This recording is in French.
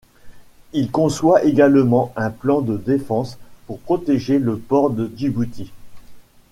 Il conçoit également un plan de défense pour protéger le port de Djibouti.